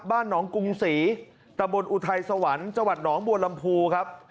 บ้านหนองกรุงศรีตะบนอุทัยสวรรค์จังหวัดหนองบัวลำพูครับ